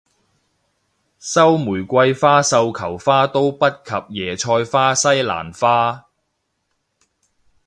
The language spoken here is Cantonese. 收玫瑰花繡球花都不及椰菜花西蘭花